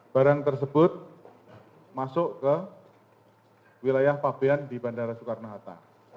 barang tersebut masuk ke wilayah pabean di bandara soekarno hatta